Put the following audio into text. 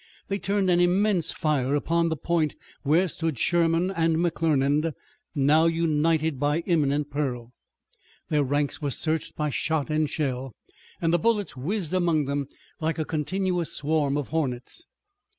They turned an immense fire upon the point where stood Sherman and McClernand, now united by imminent peril. Their ranks were searched by shot and shell, and the bullets whizzed among them like a continuous swarm of hornets.